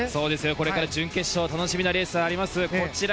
これから準決勝楽しみなレースがあります。